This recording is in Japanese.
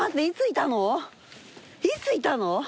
いついたの？